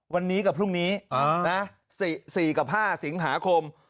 วันนี้กับพรุ่งนี้นะครับ๔ฯกับ๕ศิงหาคม